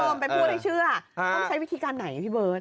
ไปพูดให้เชื่อต้องใช้วิธีการไหนพี่เบิร์ต